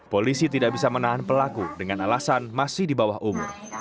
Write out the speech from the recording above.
polisi tidak bisa menahan pelaku dengan alasan masih di bawah umur